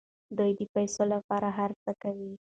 دوی د پیسو لپاره هر څه کوي.